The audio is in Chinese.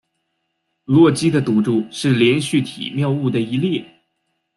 洛基的赌注是连续体谬误的一例。